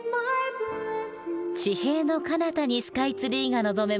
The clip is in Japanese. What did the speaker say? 地平のかなたにスカイツリーが望めます。